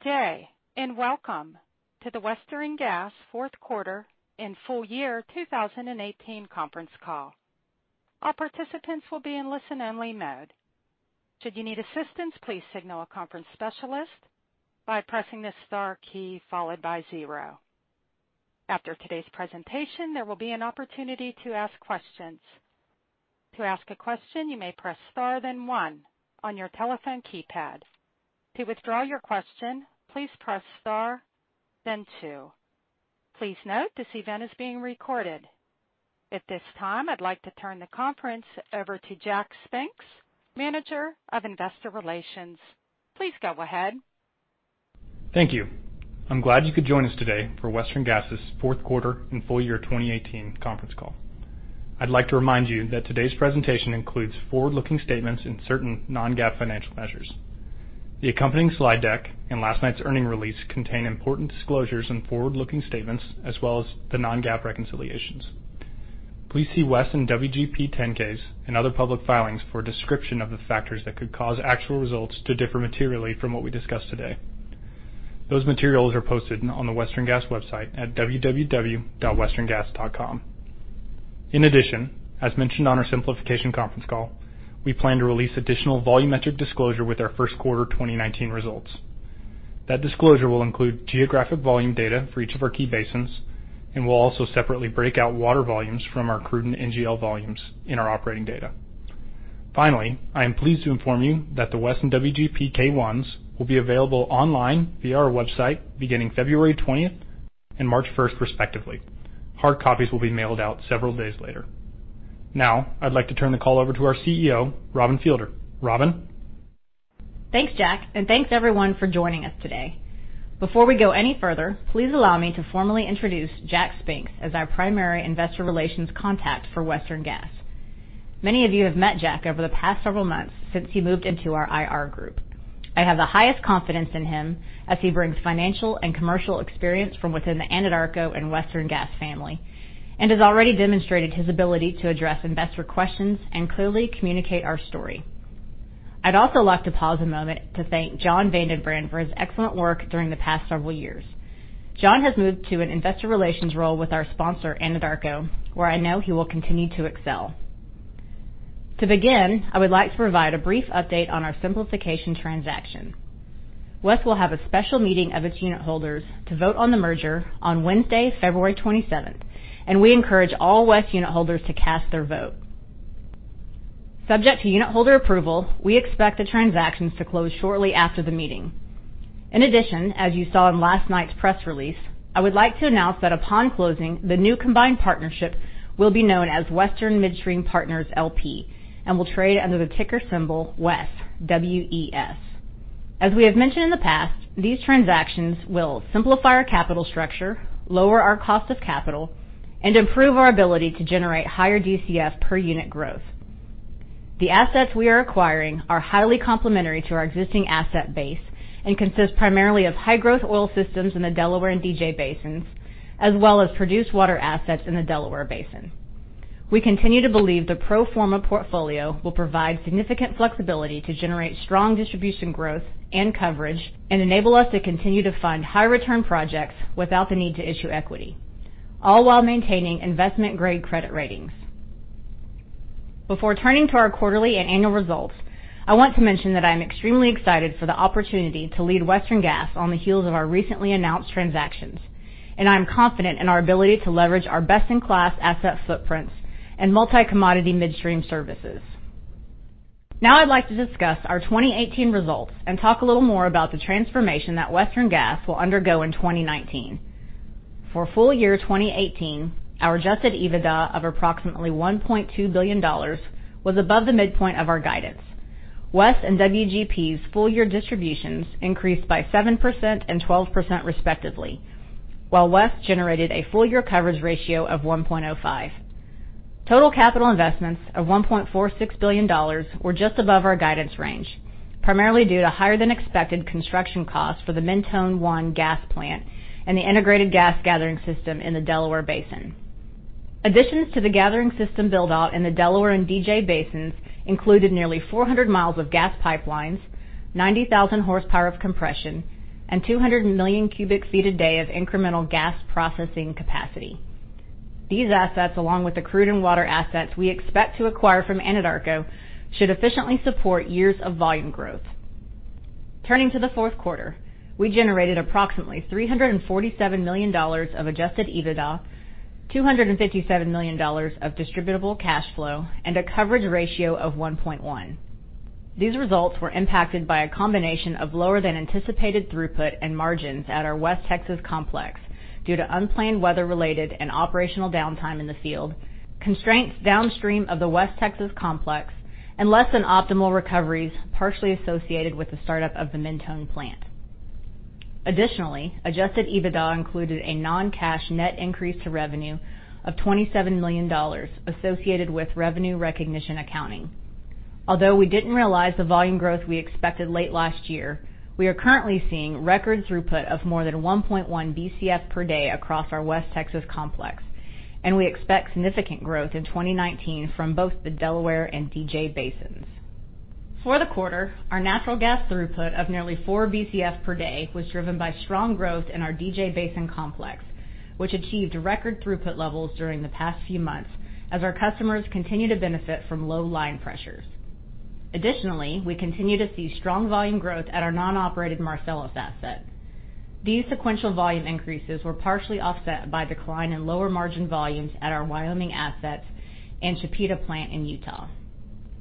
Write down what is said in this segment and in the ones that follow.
Good day, and welcome to the Western Gas fourth quarter and full year 2018 conference call. All participants will be in listen-only mode. Should you need assistance, please signal a conference specialist by pressing the star key followed by zero. After today's presentation, there will be an opportunity to ask questions. To ask a question, you may press star then one on your telephone keypad. To withdraw your question, please press star then two. Please note this event is being recorded. At this time, I'd like to turn the conference over to Jack Spinks, Manager of Investor Relations. Please go ahead. Thank you. I'm glad you could join us today for Western Gas's fourth quarter and full year 2018 conference call. I'd like to remind you that today's presentation includes forward-looking statements and certain non-GAAP financial measures. The accompanying slide deck and last night's earnings release contain important disclosures and forward-looking statements as well as the non-GAAP reconciliations. Please see WES and WGP 10-Ks and other public filings for a description of the factors that could cause actual results to differ materially from what we discuss today. Those materials are posted on the Western Gas website at www.westerngas.com. In addition, as mentioned on our simplification conference call, we plan to release additional volumetric disclosure with our first quarter 2019 results. That disclosure will include geographic volume data for each of our key basins and will also separately break out water volumes from our crude and NGL volumes in our operating data. Finally, I am pleased to inform you that the WES and WGP K-1s will be available online via our website beginning February 20th and March 1st, respectively. Hard copies will be mailed out several days later. Now, I'd like to turn the call over to our CEO, Robin Fielder. Robin? Thanks, Jack, and thanks, everyone, for joining us today. Before we go any further, please allow me to formally introduce Jack Spinks as our primary investor relations contact for Western Gas. Many of you have met Jack over the past several months since he moved into our IR group. I have the highest confidence in him as he brings financial and commercial experience from within the Anadarko and Western Gas family and has already demonstrated his ability to address investor questions and clearly communicate our story. I'd also like to pause a moment to thank Jon VandenBrand for his excellent work during the past several years. Jon has moved to an investor relations role with our sponsor, Anadarko, where I know he will continue to excel. To begin, I would like to provide a brief update on our simplification transaction. WES will have a special meeting of its unit holders to vote on the merger on Wednesday, February 27th, and we encourage all WES unit holders to cast their vote. Subject to unit holder approval, we expect the transactions to close shortly after the meeting. In addition, as you saw in last night's press release, I would like to announce that upon closing, the new combined partnership will be known as Western Midstream Partners LP and will trade under the ticker symbol WES, W-E-S. As we have mentioned in the past, these transactions will simplify our capital structure, lower our cost of capital, and improve our ability to generate higher DCF per unit growth. The assets we are acquiring are highly complementary to our existing asset base and consist primarily of high-growth oil systems in the Delaware and DJ Basins, as well as produced water assets in the Delaware Basin. We continue to believe the pro forma portfolio will provide significant flexibility to generate strong distribution growth and coverage and enable us to continue to fund high-return projects without the need to issue equity, all while maintaining investment-grade credit ratings. Before turning to our quarterly and annual results, I want to mention that I am extremely excited for the opportunity to lead Western Gas on the heels of our recently announced transactions, and I am confident in our ability to leverage our best-in-class asset footprints and multi-commodity midstream services. Now I'd like to discuss our 2018 results and talk a little more about the transformation that Western Gas will undergo in 2019. For full year 2018, our adjusted EBITDA of approximately $1.2 billion was above the midpoint of our guidance. WES and WGP's full year distributions increased by 7% and 12% respectively, while WES generated a full year coverage ratio of 1.05. Total capital investments of $1.46 billion were just above our guidance range, primarily due to higher-than-expected construction costs for the Mentone 1 gas plant and the integrated gas gathering system in the Delaware Basin. Additions to the gathering system build-out in the Delaware and DJ Basins included nearly 400 miles of gas pipelines, 90,000 horsepower of compression, and 200 million cubic feet a day of incremental gas processing capacity. These assets, along with the crude and water assets we expect to acquire from Anadarko, should efficiently support years of volume growth. Turning to the fourth quarter, we generated approximately $347 million of adjusted EBITDA, $257 million of distributable cash flow, and a coverage ratio of 1.1. These results were impacted by a combination of lower-than-anticipated throughput and margins at our West Texas complex due to unplanned weather-related and operational downtime in the field, constraints downstream of the West Texas complex, and less than optimal recoveries partially associated with the start-up of the Mentone plant. Additionally, adjusted EBITDA included a non-cash net increase to revenue of $27 million associated with revenue recognition accounting. Although we didn't realize the volume growth we expected late last year, we are currently seeing record throughput of more than 1.1 BCF per day across our West Texas complex. We expect significant growth in 2019 from both the Delaware and DJ Basins. For the quarter, our natural gas throughput of nearly four Bcf per day was driven by strong growth in our DJ Basin complex, which achieved record throughput levels during the past few months as our customers continue to benefit from low line pressures. Additionally, we continue to see strong volume growth at our non-operated Marcellus asset. These sequential volume increases were partially offset by decline in lower margin volumes at our Wyoming assets and Chipeta plant in Utah.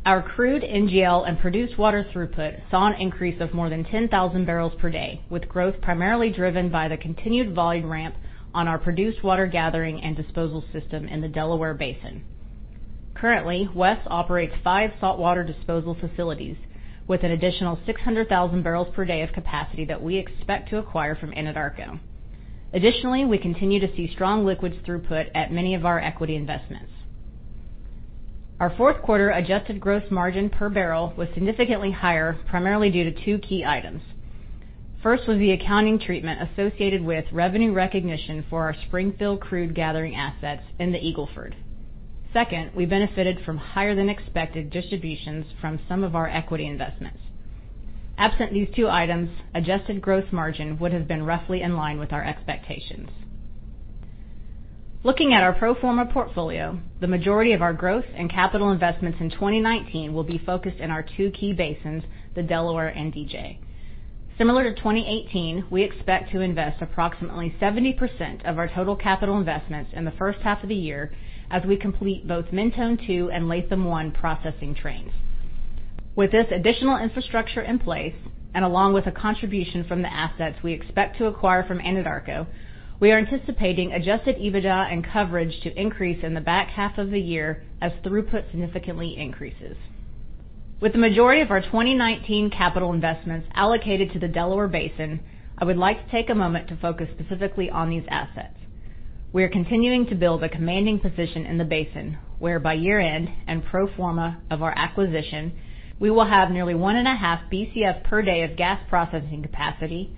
Our crude NGL and produced water throughput saw an increase of more than 10,000 barrels per day, with growth primarily driven by the continued volume ramp on our produced water gathering and disposal system in the Delaware Basin. Currently, WES operates five saltwater disposal facilities, with an additional 600,000 barrels per day of capacity that we expect to acquire from Anadarko. Additionally, we continue to see strong liquids throughput at many of our equity investments. Our fourth quarter adjusted gross margin per barrel was significantly higher, primarily due to two key items. First was the accounting treatment associated with revenue recognition for our Springfield crude gathering assets in the Eagle Ford. Second, we benefited from higher-than-expected distributions from some of our equity investments. Absent these two items, adjusted gross margin would have been roughly in line with our expectations. Looking at our pro forma portfolio, the majority of our growth and capital investments in 2019 will be focused in our two key basins, the Delaware and DJ. Similar to 2018, we expect to invest approximately 70% of our total capital investments in the first half of the year as we complete both Mentone-2 and Latham-1 processing trains. With this additional infrastructure in place, along with a contribution from the assets we expect to acquire from Anadarko, we are anticipating adjusted EBITDA and coverage to increase in the back half of the year as throughput significantly increases. With the majority of our 2019 capital investments allocated to the Delaware Basin, I would like to take a moment to focus specifically on these assets. We are continuing to build a commanding position in the basin, where by year-end and pro forma of our acquisition, we will have nearly one and a half Bcf per day of gas processing capacity,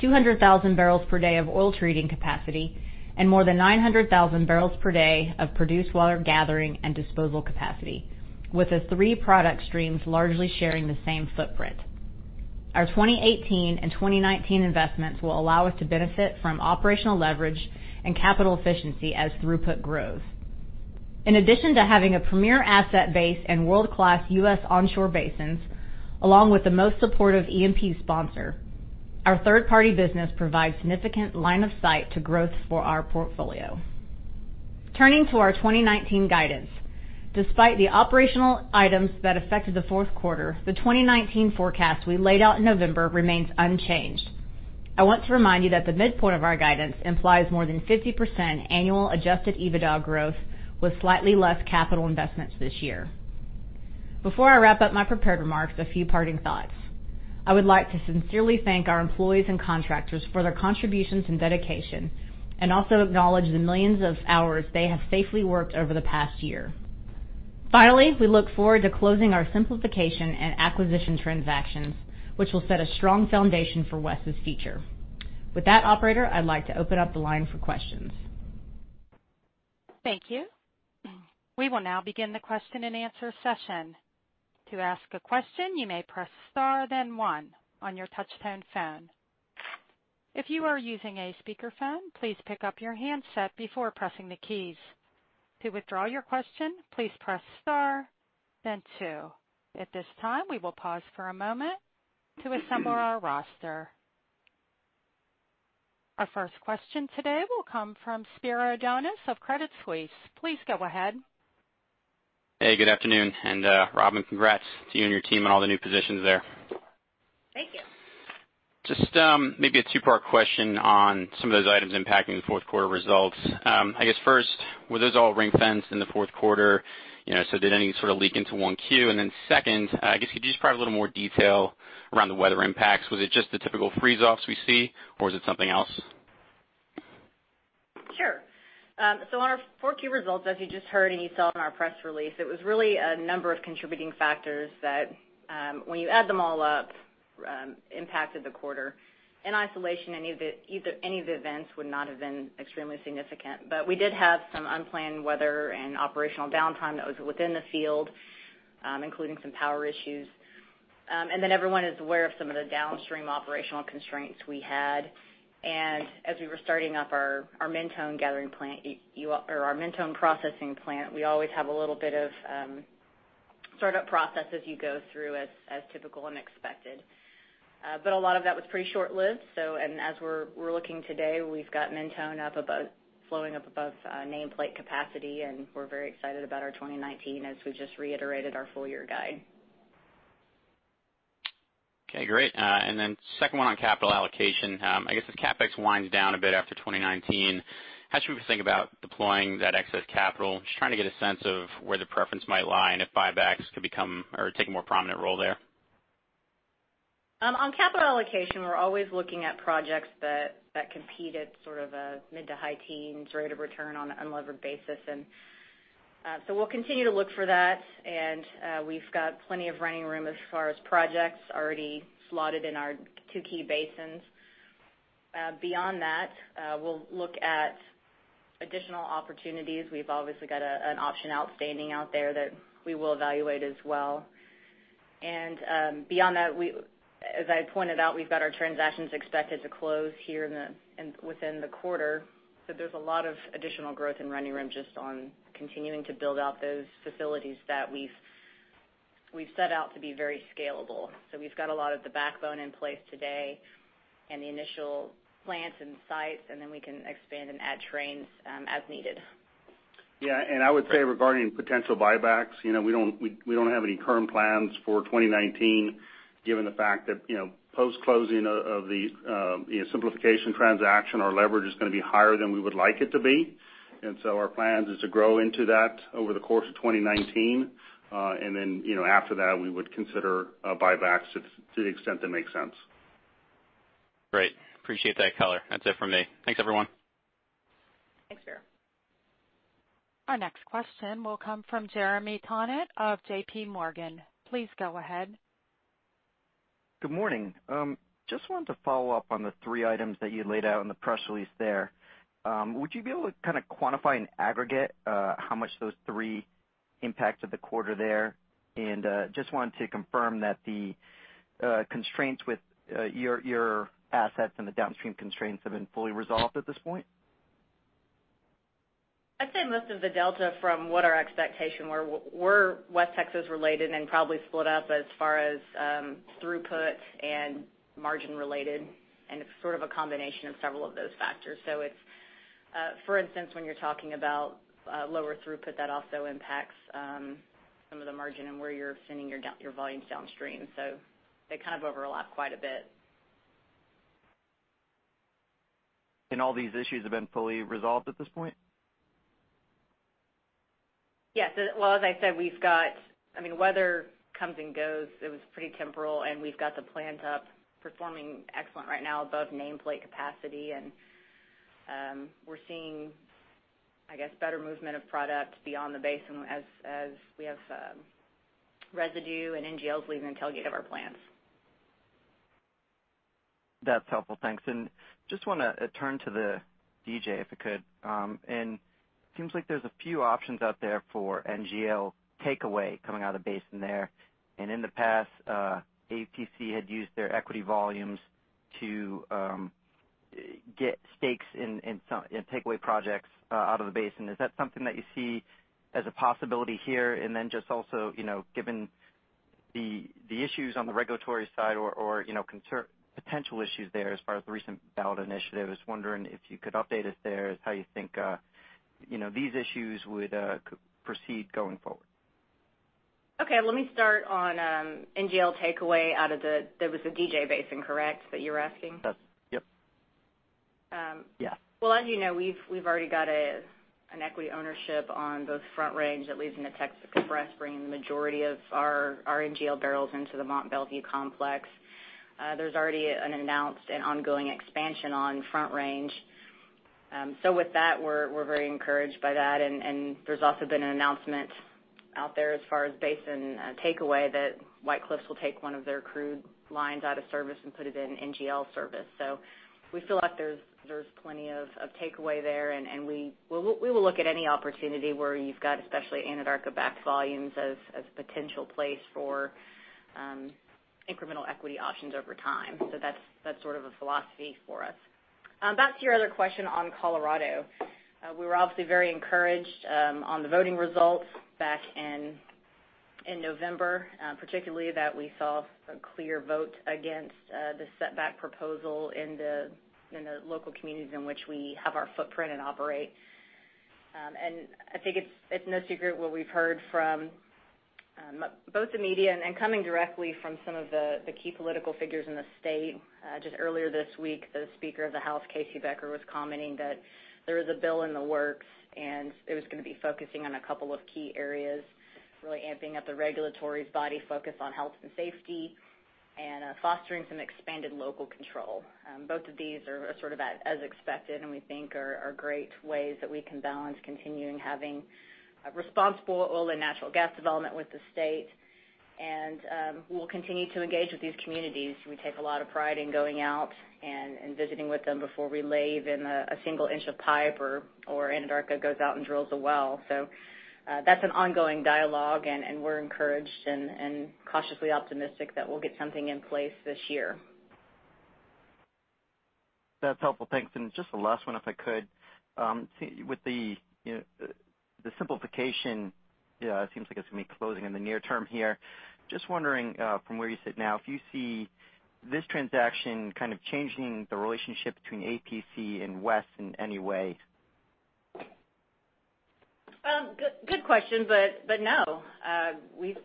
200,000 barrels per day of oil treating capacity, and more than 900,000 barrels per day of produced water gathering and disposal capacity, with the three product streams largely sharing the same footprint. Our 2018 and 2019 investments will allow us to benefit from operational leverage and capital efficiency as throughput grows. In addition to having a premier asset base and world-class U.S. onshore basins, along with the most supportive E&P sponsor, our third-party business provides significant line of sight to growth for our portfolio. Turning to our 2019 guidance. Despite the operational items that affected the fourth quarter, the 2019 forecast we laid out in November remains unchanged. I want to remind you that the midpoint of our guidance implies more than 50% annual adjusted EBITDA growth, with slightly less capital investments this year. Before I wrap up my prepared remarks, a few parting thoughts. I would like to sincerely thank our employees and contractors for their contributions and dedication, and also acknowledge the millions of hours they have safely worked over the past year. Finally, we look forward to closing our simplification and acquisition transactions, which will set a strong foundation for WES's future. With that, operator, I'd like to open up the line for questions. Thank you. We will now begin the question-and-answer session. To ask a question, you may press star then one on your touch-tone phone. If you are using a speakerphone, please pick up your handset before pressing the keys. To withdraw your question, please press star then two. At this time, we will pause for a moment to assemble our roster. Our first question today will come from Spiro Dounis of Credit Suisse. Please go ahead. Hey, good afternoon. Robin, congrats to you and your team on all the new positions there. Thank you. Maybe a two-part question on some of those items impacting the fourth quarter results. I guess first, were those all ring-fenced in the fourth quarter? Did any sort of leak into 1Q? Second, I guess could you just provide a little more detail around the weather impacts? Was it just the typical freeze-offs we see or was it something else? Sure. On our 4Q results, as you just heard and you saw in our press release, it was really a number of contributing factors that, when you add them all up, impacted the quarter. In isolation, any of the events would not have been extremely significant. We did have some unplanned weather and operational downtime that was within the field, including some power issues. Everyone is aware of some of the downstream operational constraints we had. As we were starting up our Mentone processing plant, we always have a little bit of startup process as you go through, as typical and expected. A lot of that was pretty short-lived. As we're looking today, we've got Mentone flowing up above nameplate capacity, and we're very excited about our 2019, as we just reiterated our full-year guide. Okay, great. Second one on capital allocation. I guess as CapEx winds down a bit after 2019, how should we think about deploying that excess capital? Just trying to get a sense of where the preference might lie and if buybacks could become or take a more prominent role there. On capital allocation, we're always looking at projects that compete at sort of a mid to high teens rate of return on an unlevered basis. We'll continue to look for that, and we've got plenty of running room as far as projects already slotted in our two key basins. Beyond that, we'll look at additional opportunities. We've obviously got an option outstanding out there that we will evaluate as well. Beyond that, as I pointed out, we've got our transactions expected to close here within the quarter. There's a lot of additional growth and running room just on continuing to build out those facilities that we've set out to be very scalable. We've got a lot of the backbone in place today and the initial plants and sites, and then we can expand and add trains as needed. Yeah. I would say regarding potential buybacks, we don't have any current plans for 2019, given the fact that post-closing of the simplification transaction, our leverage is going to be higher than we would like it to be. Our plan is to grow into that over the course of 2019. After that, we would consider buybacks to the extent that makes sense. Great. Appreciate that color. That's it from me. Thanks, everyone. Thanks, Spiro. Our next question will come from Jeremy Tonet of J.P. Morgan. Please go ahead. Good morning. Just wanted to follow up on the three items that you laid out in the press release there. Would you be able to kind of quantify and aggregate how much those three impacted the quarter there? Just wanted to confirm that the constraints with your assets and the downstream constraints have been fully resolved at this point. I'd say most of the delta from what our expectation were West Texas related and then probably split up as far as throughput and margin related, and it's sort of a combination of several of those factors. It's, for instance, when you're talking about lower throughput, that also impacts some of the margin and where you're sending your volumes downstream. They kind of overlap quite a bit. All these issues have been fully resolved at this point? Yes. Well, as I said, I mean, weather comes and goes. It was pretty temporal, and we've got the plant up performing excellent right now above nameplate capacity. We're seeing, I guess, better movement of product beyond the basin as we have residue and NGLs leaving the tailgate of our plants. I just want to turn to the DJ, if I could. It seems like there's a few options out there for NGL takeaway coming out of the basin there. In the past, APC had used their equity volumes to get stakes in takeaway projects out of the basin. Is that something that you see as a possibility here? Just also, given the issues on the regulatory side or potential issues there as far as the recent ballot initiative, I was wondering if you could update us there, how you think these issues would proceed going forward. Okay. Let me start on NGL takeaway out of the. That was the DJ Basin, correct, that you're asking? Yes. Well, as you know, we've already got an equity ownership on both Front Range that leads into Texas Express, bringing the majority of our NGL barrels into the Mont Belvieu complex. There's already an announced and ongoing expansion on Front Range. With that, we're very encouraged by that, and there's also been an announcement out there as far as basin takeaway that White Cliffs will take one of their crude lines out of service and put it in NGL service. We feel like there's plenty of takeaway there, and we will look at any opportunity where you've got, especially Anadarko backed volumes as a potential place for incremental equity options over time. That's sort of a philosophy for us. Back to your other question on Colorado. We were obviously very encouraged on the voting results back in November, particularly that we saw a clear vote against the setback proposal in the local communities in which we have our footprint and operate. I think it's no secret what we've heard from both the media and then coming directly from some of the key political figures in the state. Just earlier this week, the Speaker of the House, KC Becker, was commenting that there is a bill in the works, it was going to be focusing on a couple of key areas, really amping up the regulatory body focus on health and safety and fostering some expanded local control. Both of these are sort of as expected and we think are great ways that we can balance continuing having responsible oil and natural gas development with the state, and we'll continue to engage with these communities. We take a lot of pride in going out and visiting with them before we lay even a single inch of pipe or Anadarko goes out and drills a well. That's an ongoing dialogue, and we're encouraged and cautiously optimistic that we'll get something in place this year. That's helpful. Thanks. Just the last one, if I could. With the simplification, it seems like it's going to be closing in the near term here. Just wondering from where you sit now, if you see this transaction kind of changing the relationship between APC and West in any way? Good question. No. We've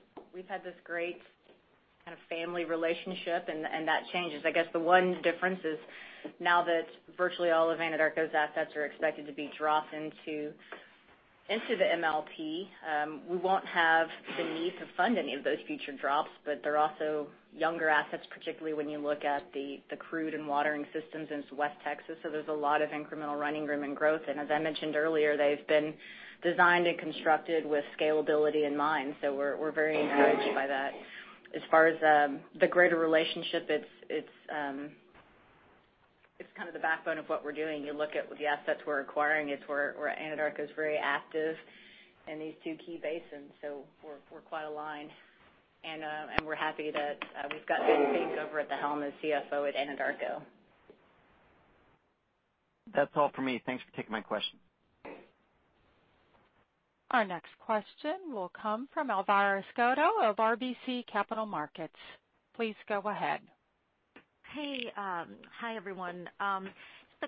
had this great kind of family relationship and that changes. I guess the one difference is now that virtually all of Anadarko's assets are expected to be dropped into the MLP. We won't have the need to fund any of those future drops, but they're also younger assets, particularly when you look at the crude and watering systems into West Texas. There's a lot of incremental running room and growth. As I mentioned earlier, they've been designed and constructed with scalability in mind. We're very encouraged by that. As far as the greater relationship, it's kind of the backbone of what we're doing. You look at the assets we're acquiring, Anadarko's very active in these two key basins. We're quite aligned, and we're happy that we've got Ben Fink over at the helm as CFO at Anadarko. That's all for me. Thanks for taking my question. Our next question will come from Elvira Scotto of RBC Capital Markets. Please go ahead. Hey. Hi, everyone. Just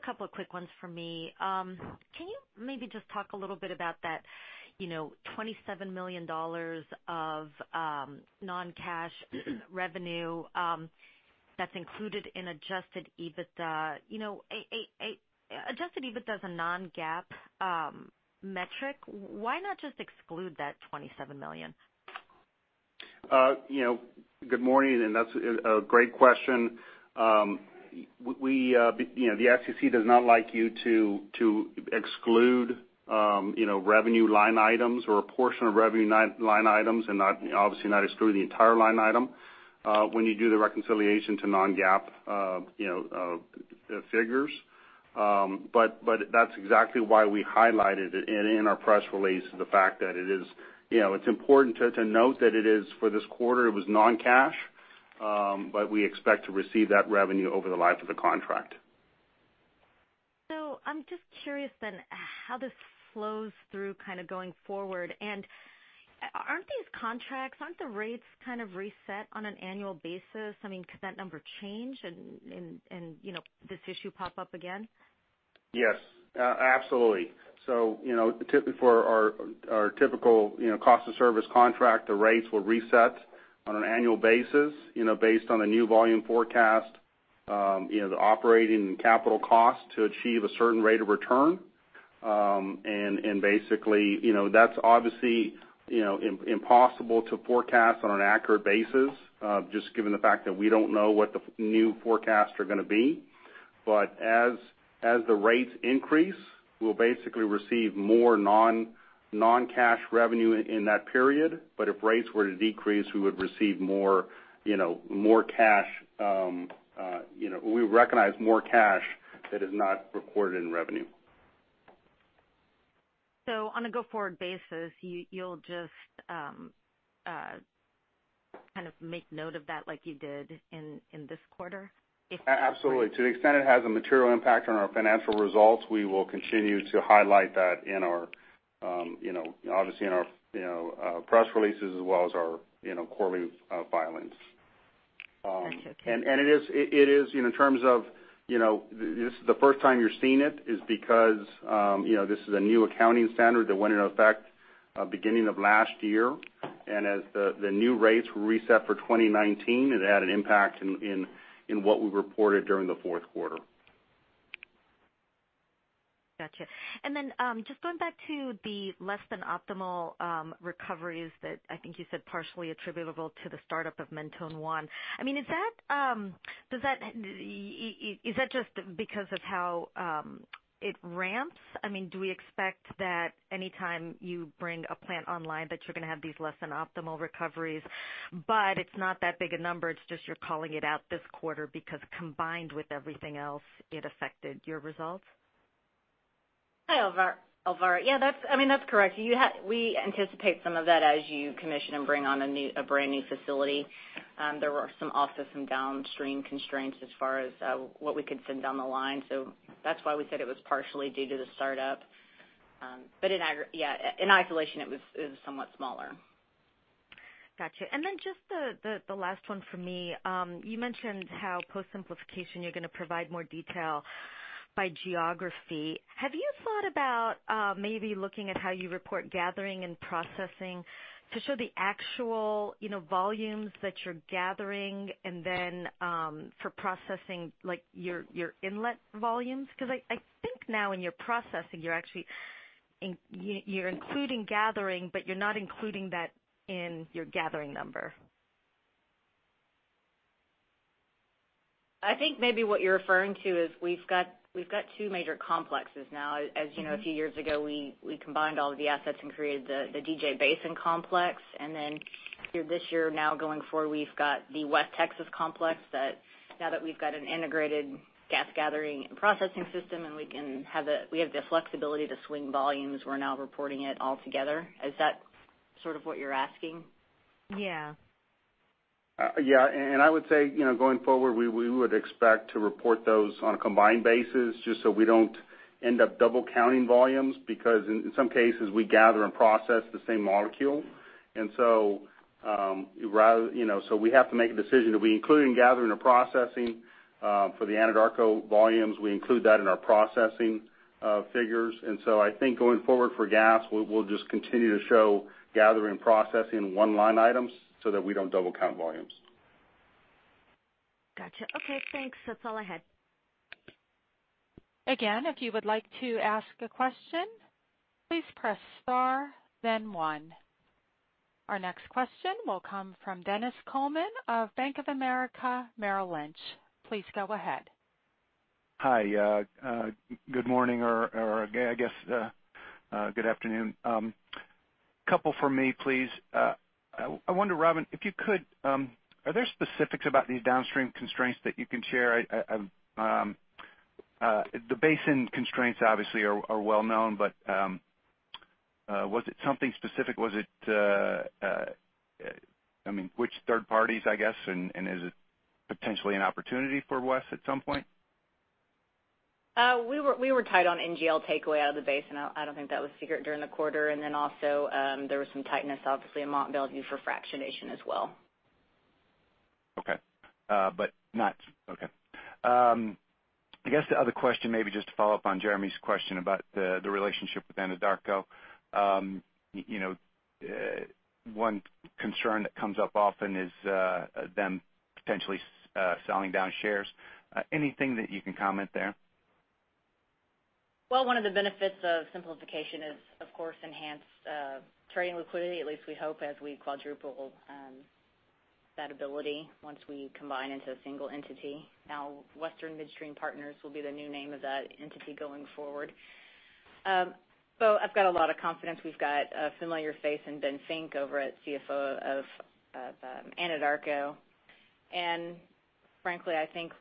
a couple of quick ones from me. Can you maybe just talk a little bit about that $27 million of non-cash revenue that's included in adjusted EBITDA? Adjusted EBITDA is a non-GAAP metric. Why not just exclude that $27 million? Good morning. That's a great question. The SEC does not like you to exclude revenue line items or a portion of revenue line items, and obviously not exclude the entire line item, when you do the reconciliation to non-GAAP figures. That's exactly why we highlighted it in our press release, the fact that it's important to note that it is for this quarter, it was non-cash. We expect to receive that revenue over the life of the contract. I'm just curious then how this flows through kind of going forward. Aren't these contracts, aren't the rates kind of reset on an annual basis? I mean, could that number change and this issue pop up again? Yes. Absolutely. For our typical cost of service contract, the rates will reset on an annual basis based on a new volume forecast, the operating and capital cost to achieve a certain rate of return. Basically, that's obviously impossible to forecast on an accurate basis, just given the fact that we don't know what the new forecasts are going to be. As the rates increase, we'll basically receive more non-cash revenue in that period. If rates were to decrease, we would recognize more cash that is not recorded in revenue. On a go-forward basis, you'll just kind of make note of that like you did in this quarter? Absolutely. To the extent it has a material impact on our financial results, we will continue to highlight that obviously in our press releases as well as our quarterly filings. Got you. It is in terms of this is the first time you're seeing it is because this is a new accounting standard that went into effect beginning of last year. As the new rates were reset for 2019, it had an impact in what we reported during the fourth quarter. Got you. Just going back to the less than optimal recoveries that I think you said partially attributable to the startup of Mentone 1. Is that just because of how it ramps? Do we expect that any time you bring a plant online that you're going to have these less than optimal recoveries, but it's not that big a number, it's just you're calling it out this quarter because combined with everything else, it affected your results? Hi, Elvira. Yeah, that's correct. We anticipate some of that as you commission and bring on a brand new facility. There were also some downstream constraints as far as what we could send down the line. That's why we said it was partially due to the startup. In isolation, it was somewhat smaller. Got you. Just the last one from me. You mentioned how post-simplification, you're going to provide more detail by geography. Have you thought about maybe looking at how you report gathering and processing to show the actual volumes that you're gathering and then for processing, like your inlet volumes? I think now in your processing, you're including gathering, but you're not including that in your gathering number. I think maybe what you're referring to is we've got two major complexes now. As you know, a few years ago, we combined all of the assets and created the DJ Basin complex. This year, now going forward, we've got the West Texas complex that now that we've got an integrated gas gathering and processing system, and we have the flexibility to swing volumes, we're now reporting it all together. Is that sort of what you're asking? Yeah. Yeah. I would say going forward, we would expect to report those on a combined basis just so we don't end up double counting volumes. Because in some cases, we gather and process the same molecule. We have to make a decision. Do we include in gathering or processing? For the Anadarko volumes, we include that in our processing figures. I think going forward for gas, we'll just continue to show gather and process in one line item so that we don't double count volumes. Got you. Okay, thanks. That's all I had. Again, if you would like to ask a question, please press star then one. Our next question will come from Dennis Coleman of Bank of America Merrill Lynch. Please go ahead. Hi. Good morning or I guess good afternoon. Couple from me, please. I wonder, Robin, if you could, are there specifics about these downstream constraints that you can share? The basin constraints obviously are well known. Was it something specific? Which third parties, I guess, is it potentially an opportunity for West at some point? We were tight on NGL takeaway out of the basin. I don't think that was secret during the quarter. Also, there was some tightness, obviously, in Mont Belvieu for fractionation as well. Okay. Not Okay. I guess the other question, maybe just to follow up on Jeremy's question about the relationship with Anadarko. One concern that comes up often is them potentially selling down shares. Anything that you can comment there? Well, one of the benefits of simplification is, of course, enhanced trading liquidity. At least we hope, as we quadruple that ability, once we combine into a single entity. Western Midstream Partners will be the new name of that entity going forward. I've got a lot of confidence. We've got a familiar face in Ben Fink over at CFO of Anadarko. Frankly, I think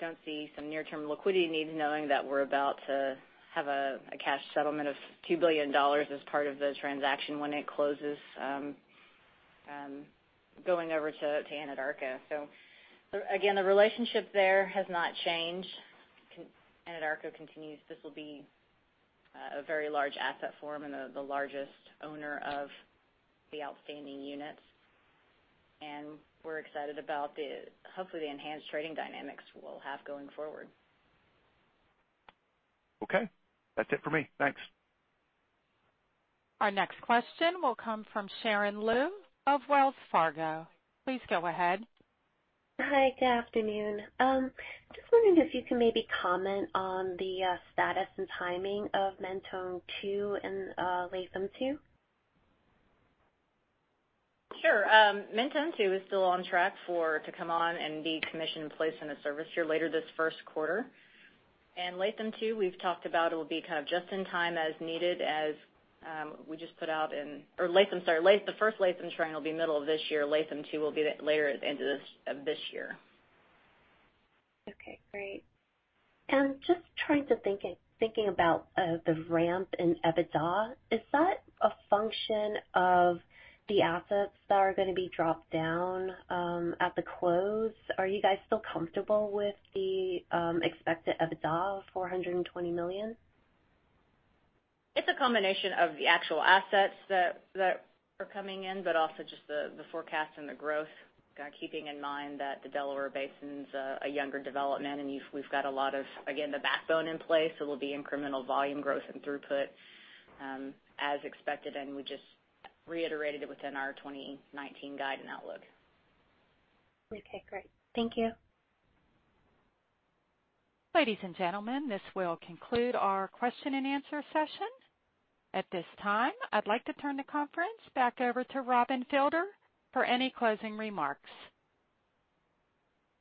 we don't see some near-term liquidity needs knowing that we're about to have a cash settlement of $2 billion as part of the transaction when it closes, going over to Anadarko. Again, the relationship there has not changed. Anadarko continues. This will be a very large asset for them and the largest owner of the outstanding units. We're excited about hopefully the enhanced trading dynamics we'll have going forward. Okay. That's it for me. Thanks. Our next question will come from Sharon Lui of Wells Fargo. Please go ahead. Hi, good afternoon. Just wondering if you can maybe comment on the status and timing of Mentone-2 and Latham-2. Sure. Mentone-2 is still on track to come on and be commissioned and placed into service here later this first quarter. Latham-2, we've talked about it will be kind of just in time as needed as we just put out in Sorry, the first Latham train will be middle of this year. Latham-2 will be later at the end of this year. Okay, great. Just trying to thinking about the ramp in EBITDA, is that a function of the assets that are going to be dropped down at the close? Are you guys still comfortable with the expected EBITDA of $420 million? It's a combination of the actual assets that are coming in, but also just the forecast and the growth, keeping in mind that the Delaware Basin's a younger development, and we've got a lot of the backbone in place. We'll be incremental volume growth and throughput as expected, and we just reiterated it within our 2019 guide and outlook. Okay, great. Thank you. Ladies and gentlemen, this will conclude our question and answer session. At this time, I'd like to turn the conference back over to Robin Fielder for any closing remarks.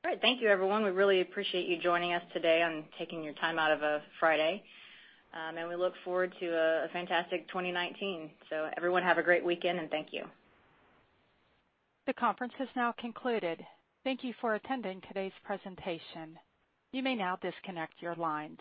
Great. Thank you, everyone. We really appreciate you joining us today and taking your time out of a Friday. We look forward to a fantastic 2019. Everyone have a great weekend, and thank you. The conference has now concluded. Thank you for attending today's presentation. You may now disconnect your lines.